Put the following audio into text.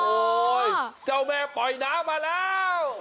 เจ้าแม่ปล่อยน้ำมาแล้ว